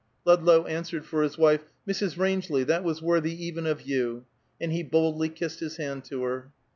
Ludlow answered for his wife, "Mrs. Rangeley, that was worthy even of you," and he boldly kissed his hand to her.